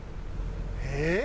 えっ？